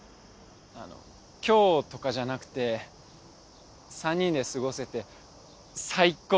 あの今日とかじゃなくて３人で過ごせて最高でした。